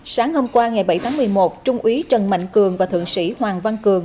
sáng hôm qua ngày bảy tháng một mươi một trung úy trần mạnh cường và thượng sĩ hoàng văn cường